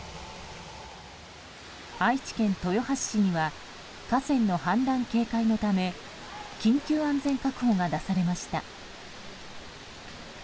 愛知県豊橋市には河川の氾濫警戒のため緊急安全確保が出されました。